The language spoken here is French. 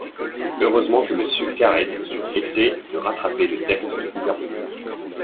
Heureusement que Monsieur Carrez essaie de rattraper le texte du Gouvernement